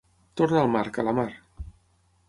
Torna al mar, calamar.